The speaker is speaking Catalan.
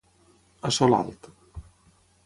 A sol alt.